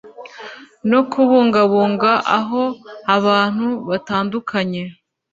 no kubungabunga aho abantu batandukanye